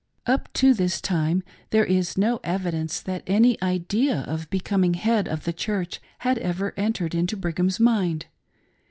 Up to this time there is no evidence that any idea of becoming head of the Church had ever entered into Brigham's mind.